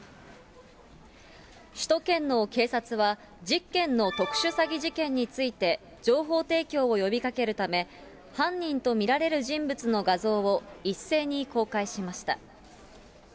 首都圏の警察は、１０件の特殊詐欺事件について、情報提供を呼びかけるため、犯人と見られる人物の画像を一斉に公開しました。